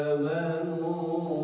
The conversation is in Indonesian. apa yang kita lakukan